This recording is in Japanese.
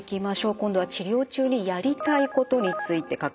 今度は治療中にやりたいことについて書かれています。